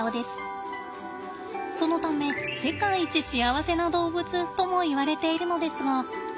そのため世界一幸せな動物ともいわれているのですが。